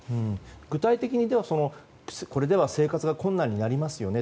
具体的に、これでは生活が困難になりますよね。